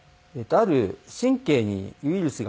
ある神経にウイルスが入って。